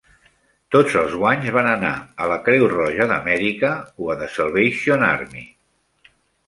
Tots els guanys van anar a la Creu Roja d'Amèrica o a The Salvation Army.